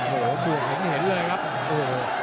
โอ้โหบวกเห็นเลยครับโอ้โห